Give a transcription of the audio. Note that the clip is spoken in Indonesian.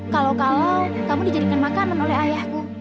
kalau kalau kamu dijadikan makanan oleh ayahku